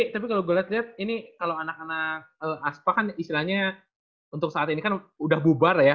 tapi kalo gue liat liat ini kalo anak anak aspak kan istilahnya untuk saat ini kan udah bubar ya